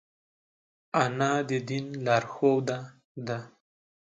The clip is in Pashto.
انا د دین لارښوده ده